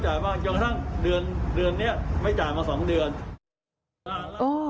จนกระทั่งเดือนนี้ไม่จ่ายมาสองเดือน